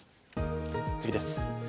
次です。